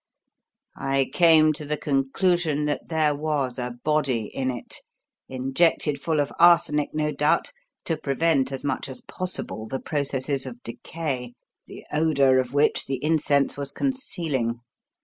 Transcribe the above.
I came to the conclusion that there was a body in it, injected full of arsenic, no doubt, to prevent as much as possible the processes of decay, the odour of which the incense was concealing.